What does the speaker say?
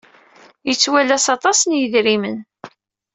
Yettwalas aṭas n yidrimen.